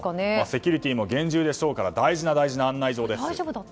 セキュリティーも厳重でしょうから大事な大事な案内状です。